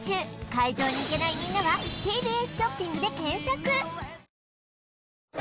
会場に行けないみんなはＴＢＳショッピングで検索！